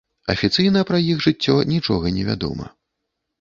Афіцыйна пра іх жыццё нічога невядома.